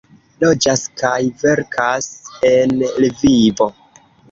Loĝas kaj verkas en Lvivo.